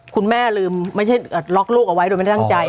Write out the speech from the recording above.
คุณแม่ลืมไม่ใช่ล็อกลูกเอาไว้โดยไม่ได้ตั้งใจ